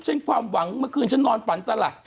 ความหวังเมื่อคืนฉันนอนฝันสลัก